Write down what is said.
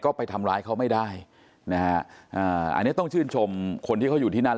ก็ไปทำร้ายเขาไม่ได้นะฮะอ่าอันนี้ต้องชื่นชมคนที่เขาอยู่ที่นั่น